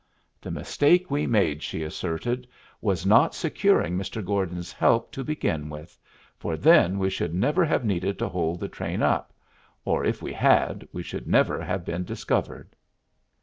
"The mistake we made," she asserted, "was not securing Mr. Gordon's help to begin with, for then we should never have needed to hold the train up, or if we had we should never have been discovered."